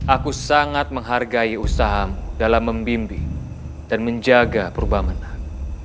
aku sangat menghargai usahamu dalam membimbing dan menjaga perubahan menang